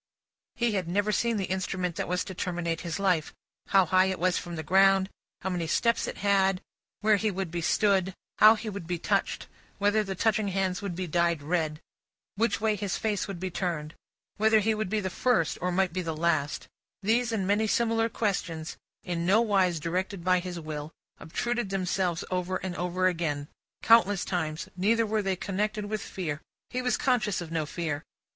He had never seen the instrument that was to terminate his life. How high it was from the ground, how many steps it had, where he would be stood, how he would be touched, whether the touching hands would be dyed red, which way his face would be turned, whether he would be the first, or might be the last: these and many similar questions, in nowise directed by his will, obtruded themselves over and over again, countless times. Neither were they connected with fear: he was conscious of no fear.